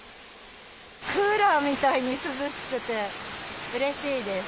クーラーみたいに涼しくて、うれしいです。